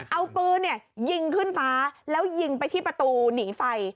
เอาปืนยิงขึ้นฟ้าแล้วยิงไปที่ประตูหนีไฟ